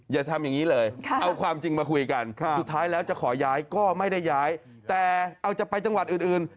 อย่าทำอย่างนี้เลยเอาความจริงมาคุยกันสุดท้ายแล้วจะขอย้ายก็ไม่ได้ย้ายแต่เอาจะไปจังหวัดอื่น